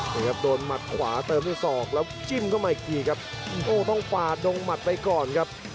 นี่ครับโดนหมัดขวาเติมด้วยศอกแล้วจิ้มเข้ามาอีกทีครับโอ้ต้องฝ่าดงหมัดไปก่อนครับ